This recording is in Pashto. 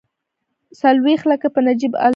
څلوېښت لکه به نجیب الدوله ورکړي.